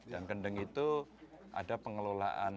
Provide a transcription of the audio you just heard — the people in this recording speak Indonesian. dan kendeng itu ada pengelolaan